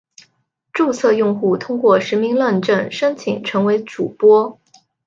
注册用户通过实名认证申请成为主播。